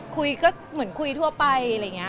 คุยก็เหมือนคุยทั่วไป